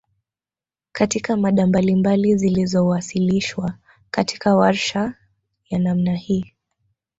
Katika mada mbalibali zilizowasilishwa katika warsha ya namna hii